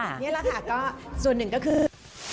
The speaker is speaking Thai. นี่แหละค่ะก็ส่วนหนึ่งก็คือ